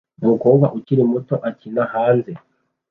Umukobwa ukiri muto akina hanze